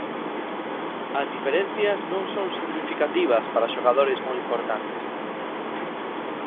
As diferencias non son significativas para xogadores moi importantes.